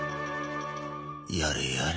やれやれ。